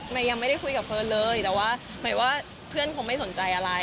ยังไม่ได้คุยกับเฟิร์นเลยแต่ว่าหมายว่าเพื่อนคงไม่สนใจอะไร